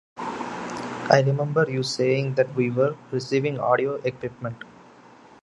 I remember you saying that we were receiving audio equipment.